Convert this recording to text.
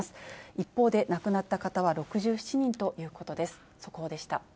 一方で、亡くなった方は６７人ということです。